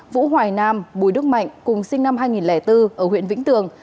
vũ hoài nam bùi đức mạnh cùng sinh năm hai nghìn bốn ở huyện vĩnh tường